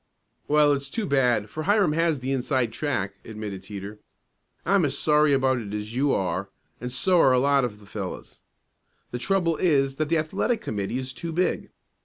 "Well, it's too bad, for Hiram has the inside track," admitted Teeter. "I'm as sorry about it as you are, and so are a lot of the fellows. The trouble is that the athletic committee is too big.